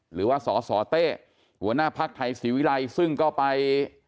หรือว่าสสเต้หัวหน้าภักดิ์ไทยศรีวิรัยซึ่งก็ไป